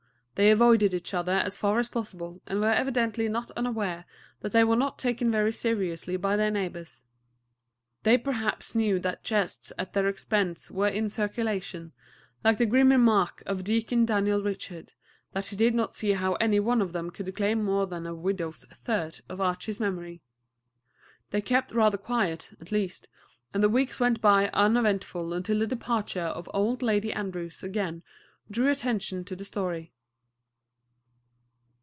They avoided each other as far as possible, and were evidently not unaware that they were not taken very seriously by their neighbors. They perhaps knew that jests at their expense were in circulation, like the grim remark of Deacon Daniel Richards, that he did not see how any one of them could claim more than a "widow's third" of Archie's memory. They kept rather quiet, at least; and the weeks went by uneventfully until the departure of Old Lady Andrews again drew attention to the story.